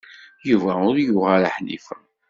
Yuba ur yuɣ ara Ḥnifa.